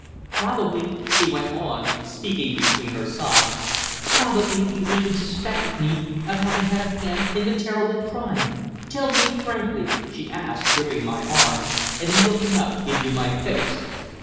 Probably," she went on, speaking between her sobs, "probably you even suspected me of having had a hand in the terrible crime. Tell me frankly," she asked, gripping my arm, and looking up into my face.